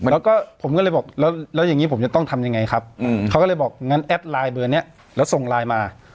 แล้วก็ผมก็เลยบอกแล้วอย่างนี้ผมจะต้องทำยังไงครับเขาก็เลยบอกงั้นแอดไลน์เบอร์นี้แล้วส่งไลน์มา